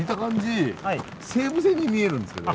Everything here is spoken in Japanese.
西武線に見えるんですけど。